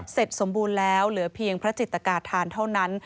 สมบูรณ์แล้วเหลือเพียงพระจิตกาธานเท่านั้น